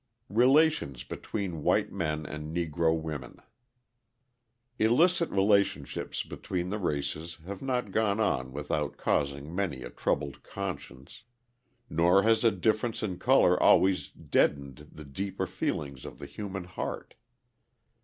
Relations Between White Men and Negro Women Illicit relationships between the races have not gone on without causing many a troubled conscience. Nor has a difference in colour always deadened the deeper feelings of the human heart.